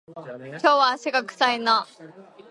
今日は足が臭いな